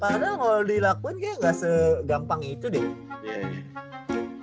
padahal kalo dilakuin kayaknya gak segampang itu deh